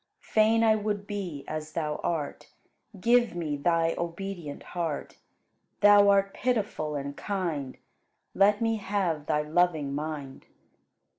Fain I would be as Thou art: Give me Thy obedient heart. Thou art pitiful and kind: Let me have Thy loving mind.